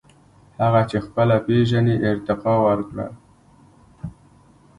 • هغه چې خپله پېژنې، ارتقاء ورکړه.